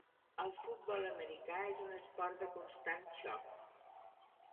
El futbol americà és un esport de constant xoc.